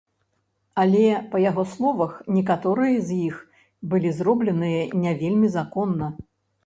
Але, па яго словах, некаторыя з іх былі зробленыя не вельмі законна.